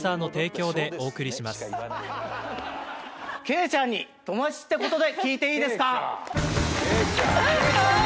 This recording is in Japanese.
景ちゃんに友達ってことで聞いていいですか？